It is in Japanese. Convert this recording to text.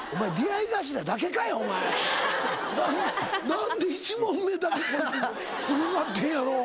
何で１問目だけすごかってんやろ？